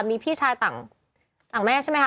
มีพี่ชายต่างแม่ใช่ไหมคะ